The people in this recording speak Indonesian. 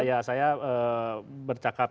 iya saya bercakap